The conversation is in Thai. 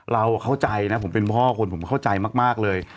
เราเข้าใจนะผมเป็นพ่อคนผมเข้าใจมากเลย